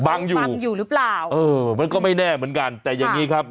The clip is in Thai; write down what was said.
บังอยู่บังอยู่หรือเปล่าเออมันก็ไม่แน่เหมือนกันแต่อย่างงี้ครับ